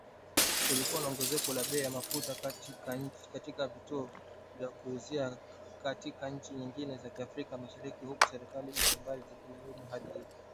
Kulikuwa na ongezeko la bei ya mafuta katika vituo vya kuuzia katika nchi nyingine za Afrika Mashariki, huku serikali mbalimbali zikilaumu hali hiyo